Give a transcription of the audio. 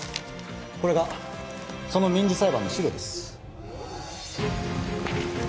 これがその民事裁判の資料です